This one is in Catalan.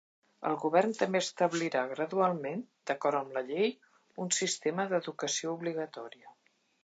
El govern també establirà gradualment, d'acord amb la llei, un sistema d'educació obligatòria.